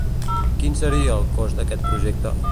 Quin seria el cost d'aquest projecte?